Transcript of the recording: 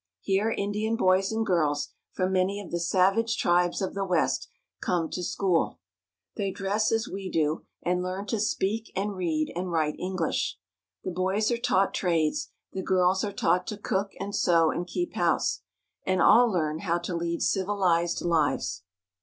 Here Indian boys and girls from many of the savage tribes of the West come to school. They dress as we do, and learn to speak and read and write English. The boys are taught trades; the girls are taught to cook and sew and keep house, and all learn how to lead civilized lives.